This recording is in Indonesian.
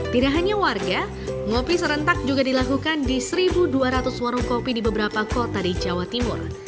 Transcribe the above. tidak hanya warga ngopi serentak juga dilakukan di satu dua ratus warung kopi di beberapa kota di jawa timur